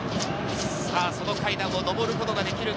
その階段をのぼることができるか？